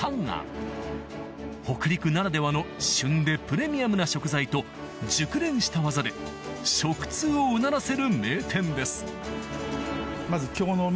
北陸ならではの旬でプレミアムな食材と熟練した技で食通をうならせる名店ですえっ！